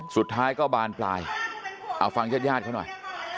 สุดท้ายก็บานปลายเอาฟังญาติญาติเขาหน่อย